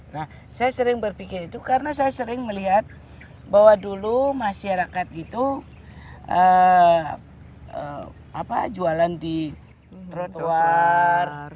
nah saya sering berpikir itu karena saya sering melihat bahwa dulu masyarakat itu jualan di trotoar